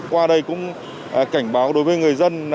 qua đây cũng cảnh báo đối với người dân